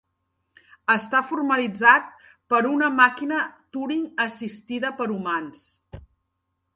Està formalitzat per una màquina Turing assistida per humans.